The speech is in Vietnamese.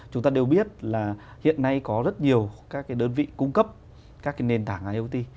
chúng ta đều biết là hiện nay có rất nhiều đơn vị cung cấp các nền tảng iot